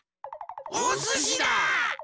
おすしだ！